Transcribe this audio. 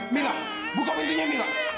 mila buka pintunya mila